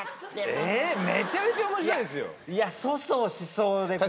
めちゃめちゃ面白いですよ。